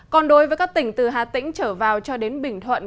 còn đối với các tỉnh từ hà tĩnh trở vào cho đến bình thuận